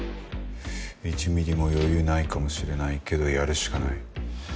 １ミリも余裕ないかもしれないけどやるしかない。